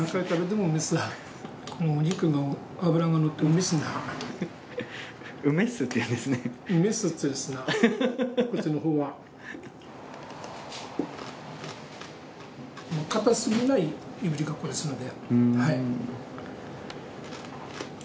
もう硬すぎないいぶりがっこですので。